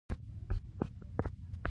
یار مه خفه کوئ